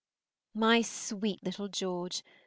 My sweet little George!